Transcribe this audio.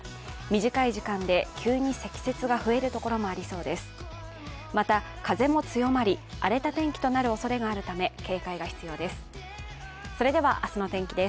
短い時間で急に積雪が増える所もありそうです。